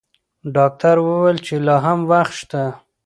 ډاکټر وویل چې لا هم وخت شته.